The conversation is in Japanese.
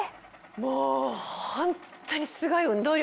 うわホントにすごい運動量。